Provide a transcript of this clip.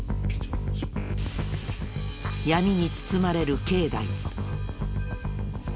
闇に包まれる境内。